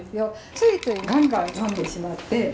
ついついガンガン呑んでしまって。